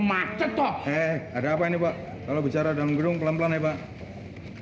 inherited ada ada apa ini kalau bicara dan hulu kelemplade spots